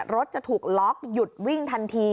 รถจะถูกล็อกหยุดวิ่งทันที